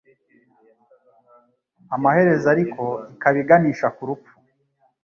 amaherezo ariko ikaba iganisha ku rupfu